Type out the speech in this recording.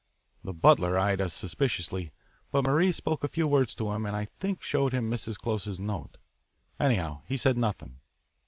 The butler eyed us suspiciously, but Marie spoke a few words to him and I think showed him Mrs. Close's note. Anyhow he said nothing.